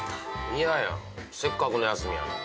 いややせっかくの休みやのに。